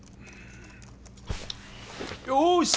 よし！